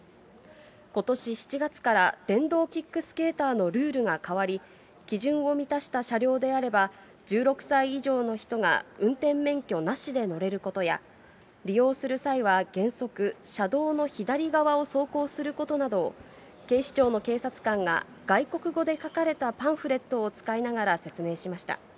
ことし７月から、電動キックスケーターのルールが変わり、基準を満たした車両であれば１６歳以上の人が運転免許なしで乗れることや、利用する際は、原則、車道の左側を走行することなどを、警視庁の警察官が外国語で書かれたパンフレットを使いながら説明しました。